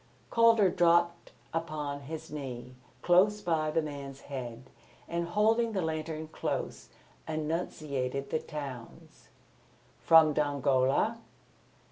Calder dropped upon his knee close by the man's head and, holding the lantern close, enunciated the towns. "From Dongola?"